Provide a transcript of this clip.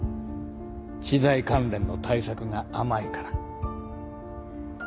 知財関連の対策が甘いから。